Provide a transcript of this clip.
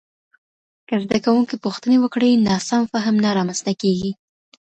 که زده کوونکي پوښتني وکړي، ناسم فهم نه رامنځته کېږي.